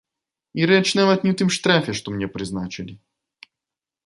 І рэч нават не ў тым штрафе, што мне прызначылі.